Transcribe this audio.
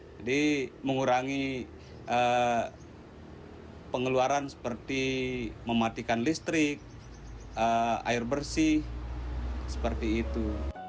jadi mengurangi pengeluaran seperti mematikan listrik air bersih seperti itu